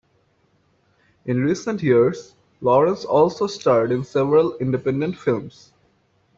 In recent years, Lawrence also starred in several independent films.